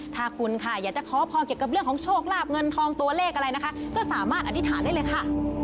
ถ้าคุณค่ะอยากจะขอพรเกี่ยวกับเรื่องของโชคลาบเงินทองตัวเลขอะไรนะคะก็สามารถอธิษฐานได้เลยค่ะ